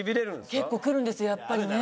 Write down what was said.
結構くるんですよやっぱりね。